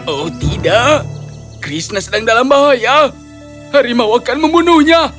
oh tidak krishna sedang dalam bahaya harimau akan membunuhnya